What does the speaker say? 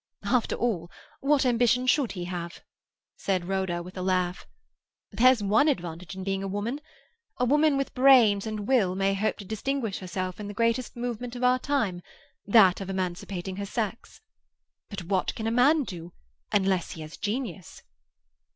"After all, what ambition should he have?" said Rhoda, with a laugh. "There's one advantage in being a woman. A woman with brains and will may hope to distinguish herself in the greatest movement of our time—that of emancipating her sex. But what can a man do, unless he has genius?"